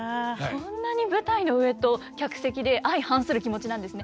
そんなに舞台の上と客席で相反する気持ちなんですね。